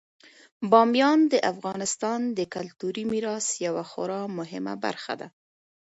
بامیان د افغانستان د کلتوري میراث یوه خورا مهمه برخه ده.